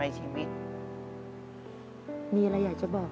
แต่ที่แม่ก็รักลูกมากทั้งสองคน